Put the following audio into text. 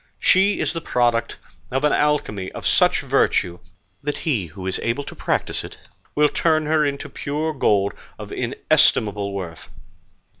She is the product of an Alchemy of such virtue that he who is able to practise it, will turn her into pure gold of inestimable worth.